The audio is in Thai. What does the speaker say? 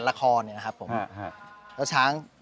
ชื่องนี้ชื่องนี้ชื่องนี้ชื่องนี้ชื่องนี้